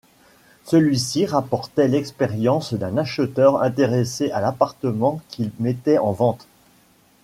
Celui-ci rapportait l'expérience d'un acheteur intéressé à l'appartement qu'il mettait en vente.